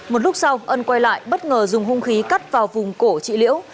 một lúc sau ân quay lại bất ngờ dùng hung khí cắt vào vùng cổ chị liễu